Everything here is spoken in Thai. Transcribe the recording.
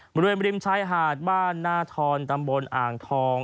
บริเวณบริมชายหาดบ้านหน้าทอนตำบลอ่างทอง